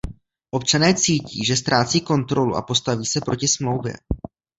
Občané cítí, že ztrácí kontrolu a postaví se proti smlouvě.